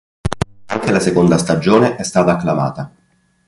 Anche la seconda stagione è stata acclamata.